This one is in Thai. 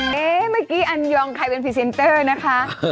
เมื่อกี้อันยองใครเป็นพรีเซนเตอร์นะคะ